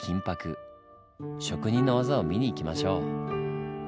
職人の技を見に行きましょう。